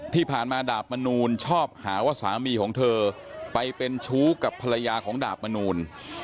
ที่ผ่านมาดาบมนูลชอบหาว่าสามีของเธอไปเป็นชู้กับภรรยาของดาบมนูล